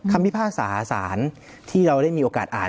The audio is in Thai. พิพากษาสารที่เราได้มีโอกาสอ่าน